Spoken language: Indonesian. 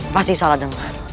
pasti salah dengar